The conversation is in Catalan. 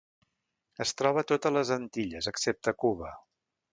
Es troba a totes les Antilles, excepte a Cuba.